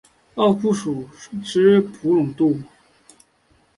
奥库鼠属等之数种哺乳动物。